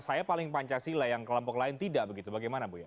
saya paling pancasila yang kelompok lain tidak begitu bagaimana bu ya